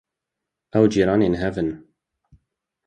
Ew cîranên hev in